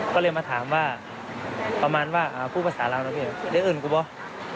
ก็เลยมาถามว่าประมาณว่าอ่าพูดภาษาลาวนะพี่ได้เอิญกูป่ะ